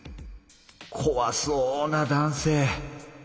こわそうな男性。